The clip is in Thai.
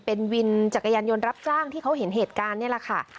เป็นวินจักรยานยนต์รับจ้างที่เขาเห็นเหตุการณ์นี่แหละค่ะ